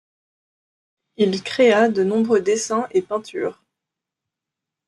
Il créa de nombreux dessins et peintures.